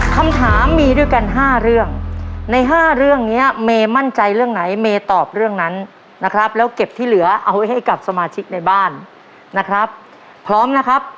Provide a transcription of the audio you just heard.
คำถามมีด้วยกัน๕เรื่องใน๕เรื่องนี้เมย์มั่นใจเรื่องไหนเมย์ตอบเรื่องนั้นนะครับแล้วเก็บที่เหลือเอาไว้ให้กับสมาชิกในบ้านนะครับพร้อมนะครับ